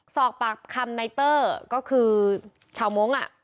สอกปากคำไนเตอร์ก็คือชาวโม้งอ่ะ